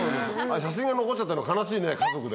あれ写真が残っちゃったの悲しいね家族で。